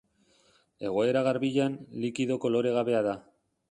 Egoera garbian, likido koloregabea da.